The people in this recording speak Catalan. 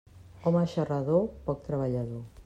Home xarrador, poc treballador.